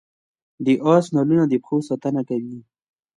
د اس نالونه د پښو ساتنه کوي